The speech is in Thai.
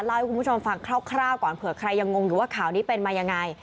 ให้คุณผู้ชมฟังคร่าวก่อนเผื่อใครยังงงอยู่ว่าข่าวนี้เป็นมายังไง